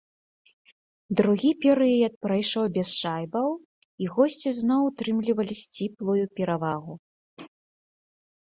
Другі перыяд прайшоў без шайбаў і госці зноў утрымлівалі сціплую перавагу.